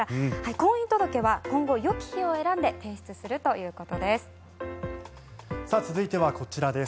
婚姻届は今後、よき日を選んで提出するということです。